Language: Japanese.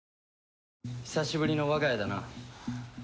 久しぶりの我が家だな。